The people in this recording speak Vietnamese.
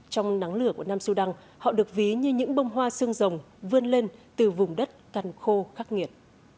trong nắng lửa của nam sudan họ được ví như những bông hoa sương rồng vươn lên từ vùng đất cằn khô khắc nghiệt